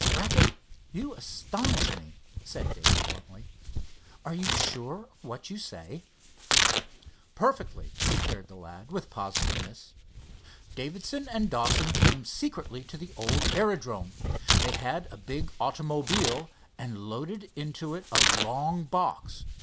"Brackett, you astonish me," said Dave, bluntly. "Are you sure of what you say?" "Perfectly," declared the lad, with positiveness. "Davidson and Dawson came secretly to the old aerodrome. They had a big automobile, and loaded into it a long box.